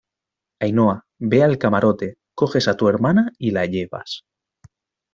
Ainhoa, ve al camarote , coges a tu hermana y la llevas